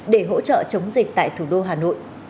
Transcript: để hỗ trợ chống dịch tại thủ đô hà nội